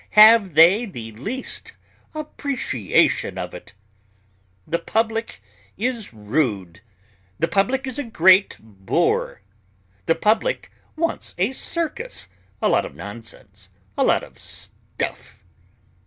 Have they the least appreciation of it? The public is rude. The public is a great boor. The public wants a circus, a lot of nonsense, a lot of stuff.